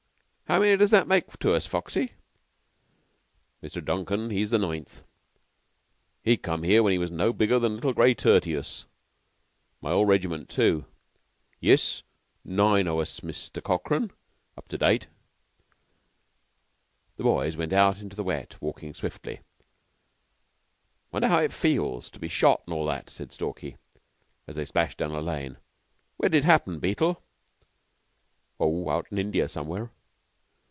How many does that make to us, Foxy?" "Mr. Duncan, he is the ninth. He come here when he was no bigger than little Grey tertius. My old regiment, too. Yiss, nine to us, Mr. Corkran, up to date." The boys went out into the wet, walking swiftly. "Wonder how it feels to be shot and all that," said Stalky, as they splashed down a lane. "Where did it happen, Beetle?" "Oh, out in India somewhere.